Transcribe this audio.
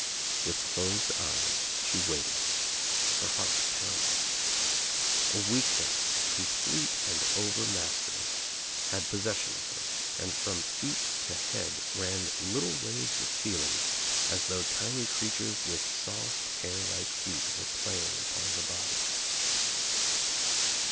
With closed eyes she waited. Her heart pounded. A weakness complete and overmastering had possession of her and from feet to head ran little waves of feeling as though tiny creatures with soft hair like feet were playing upon her body.